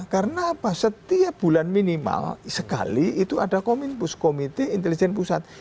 karena setiap bulan minimal sekali itu ada komitmen komite intelijen pusat